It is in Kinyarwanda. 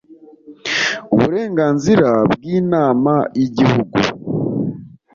uburenganzira bw inama yigihugu